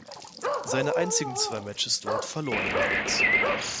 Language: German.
Seine einzigen zwei Matches dort verlor er jeweils.